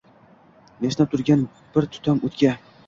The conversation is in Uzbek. Yashnab turgan bir tutam oʻtga.